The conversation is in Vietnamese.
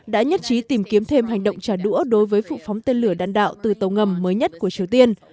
đã nhất trí tìm kiếm thêm hành động trả đũa đối với vụ phóng tên lửa đạn đạo từ tàu ngầm mới nhất của triều tiên